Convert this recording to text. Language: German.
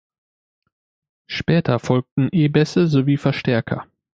Später folgten E-Bässe sowie Verstärker.